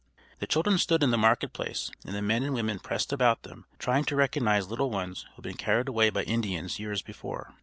The children stood in the market place, and the men and women pressed about them, trying to recognize little ones who had been carried away by Indians years before.